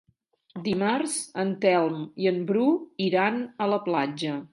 Dimarts en Telm i en Bru iran a la platja.